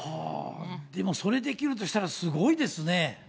でもそれできるとしたらすごいですね。